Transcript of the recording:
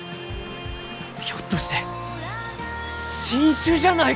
ひょっとして新種じゃないかえ？